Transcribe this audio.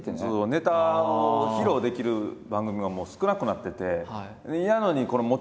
ネタを披露できる番組が少なくなってて。